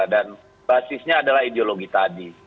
dan basisnya adalah ideologi tadi